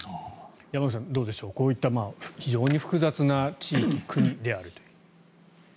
山口さん、どうでしょうこういった非常に複雑な地域、国であると。